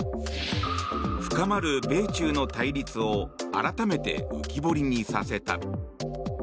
深まる米中の対立を改めて浮き彫りにさせた。